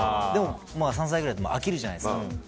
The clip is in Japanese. でも３歳ぐらいなので飽きるじゃないですか。